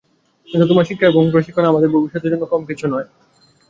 কিন্তু তোমার শিক্ষা এবং প্রশিক্ষণ আমাদের পরিবারের ভবিষ্যতের জন্য কম কিছু নয়।